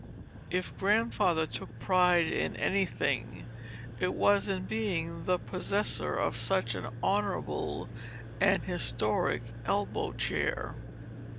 If Grandfather took pride in any thing, it was in being the possessor of such an honorable and historic elbow chair.